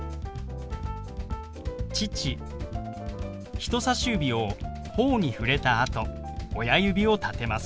人さし指をほおに触れたあと親指を立てます。